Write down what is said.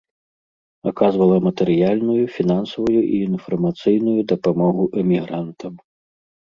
Аказвала матэрыяльную, фінансавую і інфармацыйную дапамогу эмігрантам.